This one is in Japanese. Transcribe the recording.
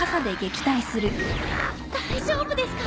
大丈夫ですか？